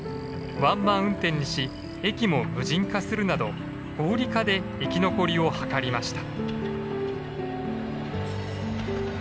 ワンマン運転にし駅も無人化するなど合理化で生き残りを図りました。